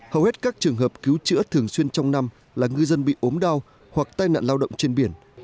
hầu hết các trường hợp cứu chữa thường xuyên trong năm là ngư dân bị ốm đau hoặc tai nạn lao động trên biển